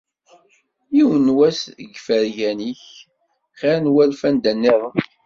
Yiwen n wass deg yifergan-ik xir n walef anda-nniḍen.